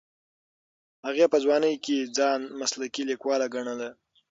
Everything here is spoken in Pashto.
هغې په ځوانۍ کې ځان مسلکي لیکواله ګڼله.